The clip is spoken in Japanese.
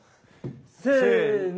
せの。